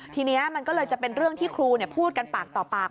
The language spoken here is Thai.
ทีนี้มันก็เลยจะเป็นเรื่องที่ครูพูดกันปากต่อปาก